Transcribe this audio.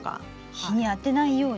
日にあてないように。